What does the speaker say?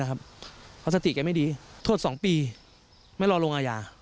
เพราะสติแกไม่ดีโทษ๒ปีไม่รอลงอาญา